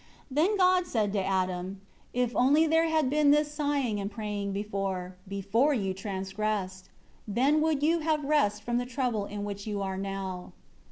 9 Then God said to Adam, "If only there had been this sighing and praying before, before you transgressed! Then would you have rest from the trouble in which you are now."